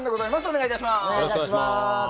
お願いいたします。